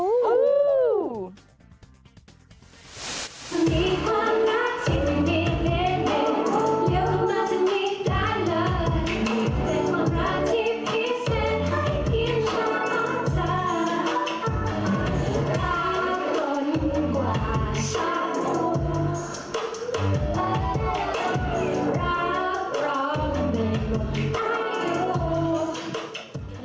รับร้องในหลวงอ้าว